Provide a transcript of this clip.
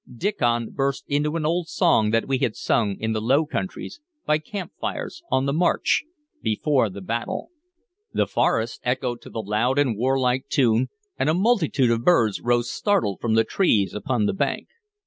Diccon burst into an old song that we had sung in the Low Countries, by camp fires, on the march, before the battle. The forest echoed to the loud and warlike tune, and a multitude of birds rose startled from the trees upon the bank.